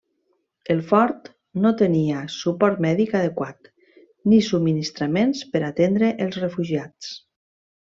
El fort no tenia suport mèdic adequat ni subministraments per atendre els refugiats.